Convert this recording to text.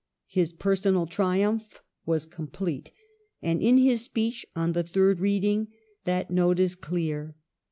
His pei sonal triumph was complete, and in his speech on the third reading that note is clear.